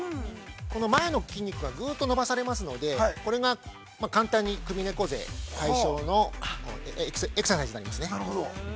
◆この前の筋肉がぐうっと伸ばされますので、これが簡単に首猫背解消のエクササイズになりますね。